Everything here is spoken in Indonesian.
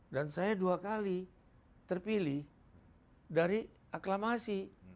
dan saya dua kali terpilih dari aklamasi